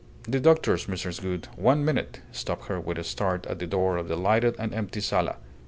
The doctor's "Mrs. Gould! One minute!" stopped her with a start at the door of the lighted and empty sala.